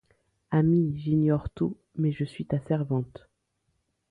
Ami, j’ignore tout, mais je suis ta servante.